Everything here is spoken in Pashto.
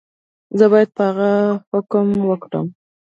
زه باید په هغه هم حکم وکړم.